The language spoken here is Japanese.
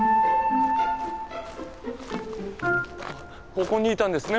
ここにいたんですね